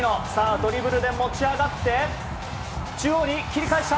ドリブルで持ち上がって中央に切り返した！